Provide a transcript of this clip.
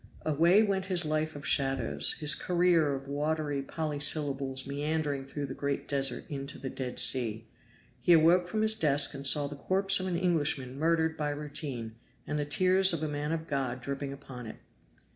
Away went his life of shadows his career of watery polysyllables meandering through the great desert into the Dead Sea. He awoke from his desk and saw the corpse of an Englishman murdered by routine, and the tears of a man of God dripping upon it.